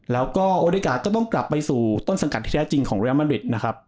แล้วก็โอริกาก็ต้องกลับไปสู่ต้นสังกัดที่แท้จริงของเรียลมัดริดนะครับ